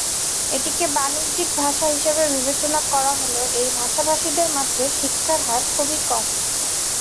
এটিকে বাণিজ্যিক ভাষা হিসেবে বিবেচনা করা হলেও এই ভাষাভাষীদের মাঝে শিক্ষার হার খুবই কম।